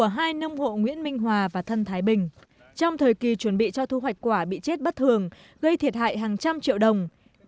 hai nông hộ nguyễn minh hòa và thân thái bình trong thời kỳ chuẩn bị cho thu hoạch quả bị chết bất thường gây thiệt hại hàng trăm triệu đồng